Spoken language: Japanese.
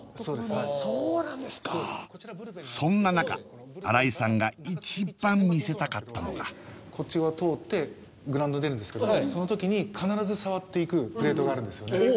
そんな中新井さんが一番見せたかったのがこっち側通ってグラウンド出るんですけどそのときに必ず触っていくプレートがあるんですよね